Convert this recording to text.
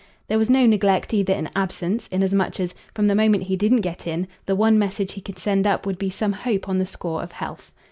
There was no neglect either in absence, inasmuch as, from the moment he didn't get in, the one message he could send up would be some hope on the score of health.